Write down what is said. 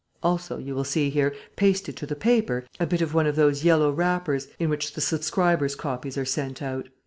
Also, you will see here, pasted to the paper, a bit of one of those yellow wrappers in which the subscribers' copies are sent out.